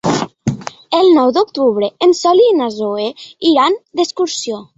El nou d'octubre en Sol i na Zoè iran d'excursió.